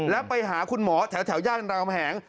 แล้วไปหาคุณหมอแถวย่านรามแหง